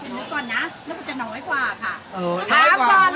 เดี๋ยวก่อนนะนึกว่าจะน้อยกว่าค่ะ